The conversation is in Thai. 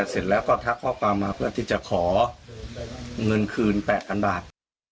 เสร็จแล้วก็ทักพ่อปลามาเพื่อที่จะขอเงินคืนแปดกันบาท